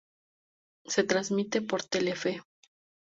Se transmite por Telefe.